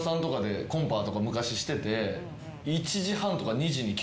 昔してて。